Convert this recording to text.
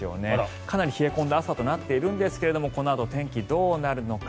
かなり冷え込んだ朝となっているんですがこのあと、天気どうなるのか。